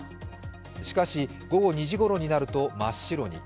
しかし、午後２時ごろになると真っ白に。